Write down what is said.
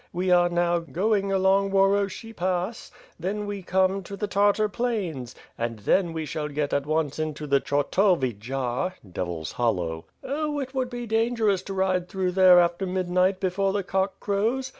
We are now goin * along Uoroshchi Pass, then we come to the Tartar plains; and then we shall get at once into the Czortowy Jar (Devil's Hollow). Oh, it would be dangerous to ride through there after midnight before the cock crows!